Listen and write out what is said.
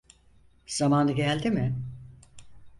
Zamanı geldi mi?